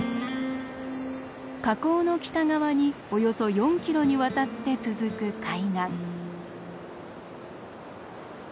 河口の北側におよそ４キロにわたって続く海岸。